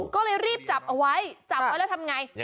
ก็เลยรีบจับเอาไว้จับไว้แล้วทำไง